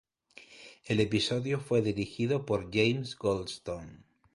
El episodio fue dirigido por James Goldstone.